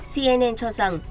cnn cho rằng